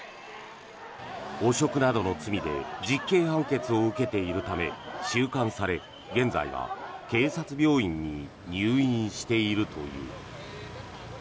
汚職などの罪で実刑判決を受けているため収監され、現在は警察病院に入院しているという。